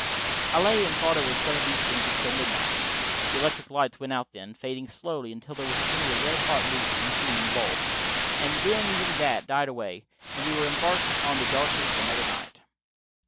I lay and thought over some of these things until midnight. The electric lights went out then, fading slowly until there was only a red hot loop to be seen in the bulb, and then even that died away and we were embarked on the darkness of another night.